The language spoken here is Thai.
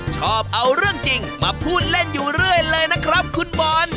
ชอบเอาเรื่องจริงมาพูดเล่นอยู่เรื่อยเลยนะครับคุณบอล